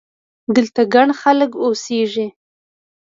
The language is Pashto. دلته ګڼ خلک اوسېږي!